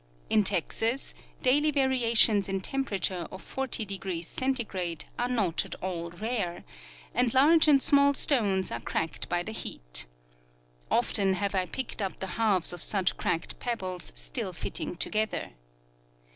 In Texas daily variations in temperature of 40° C. are not at all rare ; and large and small stones are cracked by the heat. Often have I picked up the halves of such cracked pebbles still fitting together.